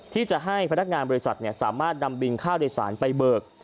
ที่จะให้พนักงานบริษัทสามารถนำบินค่าโดยสารไปเบิก